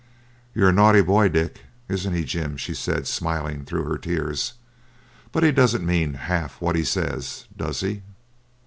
'You're a naughty boy, Dick; isn't he, Jim?' she said, smiling through her tears. 'But he doesn't mean half what he says, does he?'